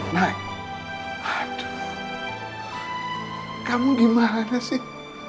nah aduh kamu gimana sih